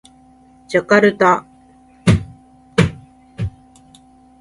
ジャカルタ